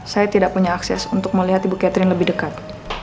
saya tidak punya akses untuk melihat ibu catherine lebih dekat